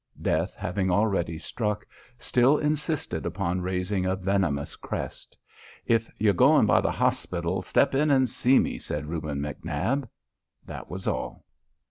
Death, having already struck, still insisted upon raising a venomous crest. "If you're goin' by the hospital, step in and see me," said Reuben McNab. That was all.